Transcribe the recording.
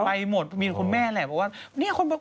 ไปหมดมีคนแม่แหละเพราะว่า